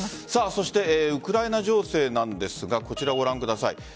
そしてウクライナ情勢なんですがこちら、ご覧ください。